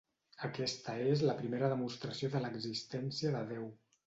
Aquesta és la primera demostració de l'existència de Déu.